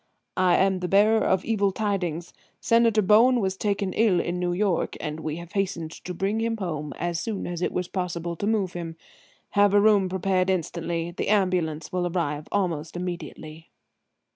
"I am the bearer of evil tidings. Senator Bowen was taken ill in New York, and we have hastened to bring him home as soon as it was possible to move him. Have a room prepared instantly, the ambulance will arrive almost immediately."